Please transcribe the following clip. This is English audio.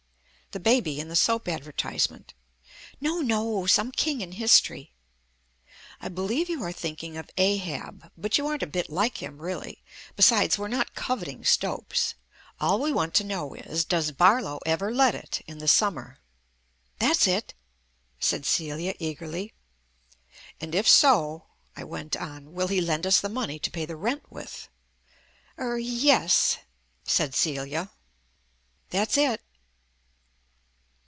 "The baby in the soap advertisement." "No, no, some king in history." "I believe you are thinking of Ahab, but you aren't a bit like him, really. Besides, we're not coveting Stopes. All we want to know is, does Barlow ever let it in the summer?" "That's it," said Celia eagerly. "And, if so," I went on, "will he lend us the money to pay the rent with?" "Er yes," said Celia. "That's it."